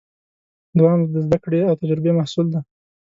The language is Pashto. دوام د زدهکړې او تجربې محصول دی.